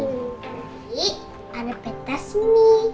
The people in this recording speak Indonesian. nanti ada petas nih